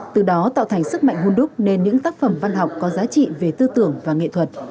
từ đó tạo thành sức mạnh hôn đúc nên những tác phẩm văn học có giá trị về tư tưởng và nghệ thuật